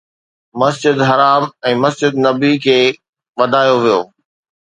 مسجد حرام ۽ مسجد نبوي کي وڌايو ويو